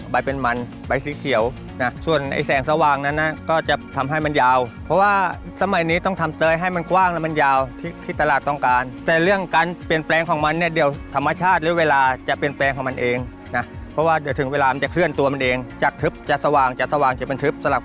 มันเป็นมันใบสีเขียวนะส่วนไอ้แสงสว่างนั้นนะก็จะทำให้มันยาวเพราะว่าสมัยนี้ต้องทำเตยให้มันกว้างแล้วมันยาวที่ตลาดต้องการแต่เรื่องการเปลี่ยนแปลงของมันเนี่ยเดี๋ยวธรรมชาติหรือเวลาจะเปลี่ยนแปลงของมันเองนะเพราะว่าเดี๋ยวถึงเวลามันจะเคลื่อนตัวมันเองจากทึบจะสว่างจะสว่างจะเป็นทึบสลับ